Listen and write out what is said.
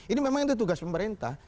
ini memang itu tugas pemerintah